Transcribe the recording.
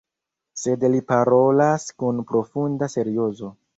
Sed li parolas kun profunda seriozo.